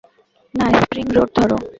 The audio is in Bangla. না, স্প্রিং রোড ধর।